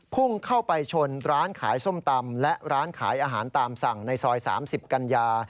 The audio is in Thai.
พุ่งเข้าไปชนร้านขายส้มตำและร้านขายอาหารตามสั่งในซอย๓๐กันยา